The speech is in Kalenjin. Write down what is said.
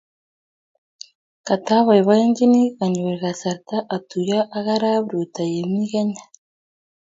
Katabaibaenjini anyor kasarta atuyo ak arap Ruto ye mi Kenya.